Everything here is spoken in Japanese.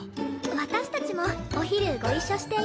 私たちもお昼ご一緒していいですか？